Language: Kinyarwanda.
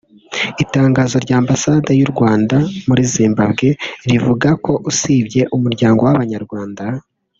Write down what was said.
Itangazo rya Ambasade y’u Rwanda muri Zimbabwe rivuga ko usibye Umuryango w’Abanyarwanda